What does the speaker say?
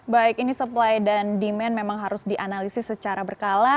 baik ini supply dan demand memang harus dianalisis secara berkala